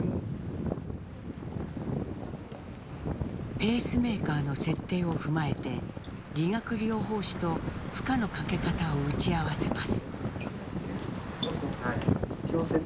ペースメーカーの設定を踏まえて理学療法士と負荷のかけ方を打ち合わせます。